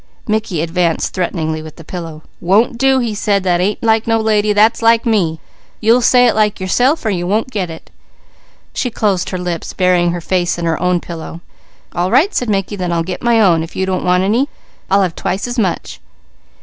Mickey advanced threateningly with the pillow. "Won't do!" he said. "That ain't like no lady! That's like me. You'll say it like yourself, or you won't get it." She closed her lips, burying her face in her own pillow. "All right," said Mickey. "Then I'll get my own. If you don't want any, I'll have twice as much."